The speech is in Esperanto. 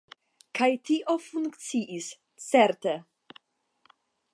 Kaj tio funkciis, certe.